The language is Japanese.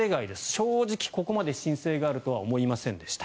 正直、ここまで申請があるとは思いませんでした